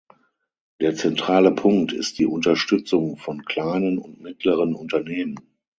Der zentrale Punkt ist die Unterstützung von kleinen und mittleren Unternehmen.